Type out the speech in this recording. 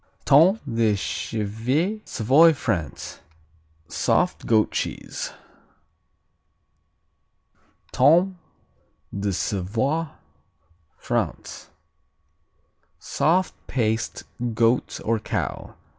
Tome de Chèvre Savoy, France Soft goat cheese. Tome de Savoie France Soft paste; goat or cow.